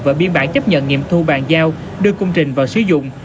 và biên bản chấp nhận nghiệm thu bàn giao đưa công trình vào sử dụng